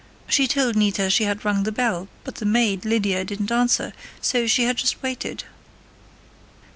She told Nita she had rung the bell, but the maid, Lydia, didn't answer, so she had just waited.